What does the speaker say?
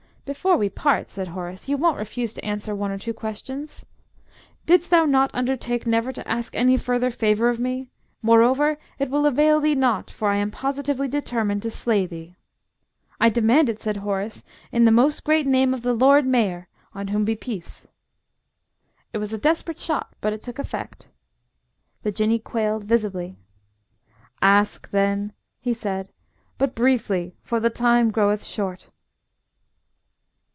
"Before we part," said Horace, "you won't refuse to answer one or two questions?" "Didst thou not undertake never to ask any further favour of me? Moreover, it will avail thee nought. For I am positively determined to slay thee." "I demand it," said Horace, "in the most great name of the Lord Mayor (on whom be peace!)" It was a desperate shot but it took effect. The Jinnee quailed visibly. "Ask, then," he said; "but briefly, for the time groweth short."